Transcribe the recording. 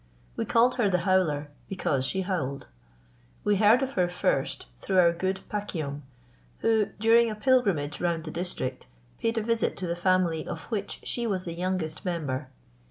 We called her the Howler because she howled. We heard of her first through our good Pakium, who, during a pilgrimage round the district, paid a visit to the family of which she was the youngest member.